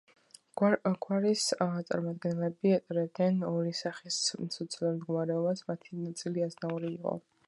გვარის წარმომადგენლები ატარებდნენ ორი სახის სოციალურ მდგომარეობას, მათი ნაწილი აზნაური იყო.